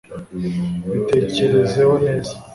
bitekerezeho neza